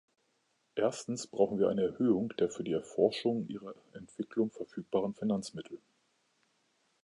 Erstens brauchen wir eine Erhöhung der für die Erforschung ihrer Entwicklung verfügbaren Finanzmittel.